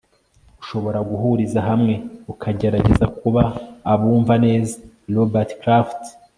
ushobora guhuriza hamwe ukagerageza kuba abumva neza. - robert kraft